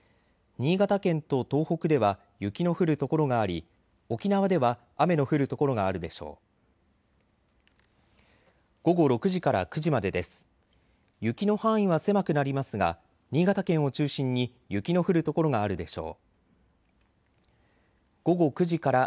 新潟県と東北では雪の降る所があり沖縄では雨の降る所があるでしょう。